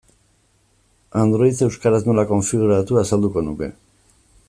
Android euskaraz nola konfiguratu azalduko nuke.